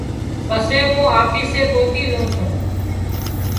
پسي مُون آفيسي پوتِي زُون سُون۔